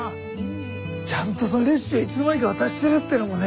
ちゃんとそのレシピをいつの間にか渡してるっていうのもね